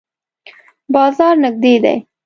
بازار نږدې دی؟